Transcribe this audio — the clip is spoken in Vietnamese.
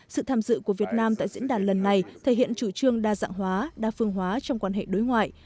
sự tham dự của việt nam tại diễn đàn lần này thể hiện chủ trương đa dạng hóa đa phương hóa trong quan hệ đối ngoại